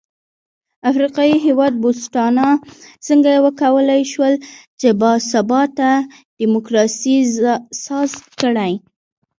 افریقايي هېواد بوتسوانا څنګه وکولای شول چې با ثباته ډیموکراسي ساز کړي.